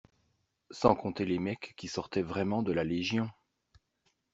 Sans compter les mecs qui sortaient vraiment de la légion.